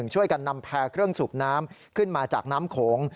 ช่วยกันนำแพร่เครื่องสูบน้ำขึ้นมาจากน้ำโขง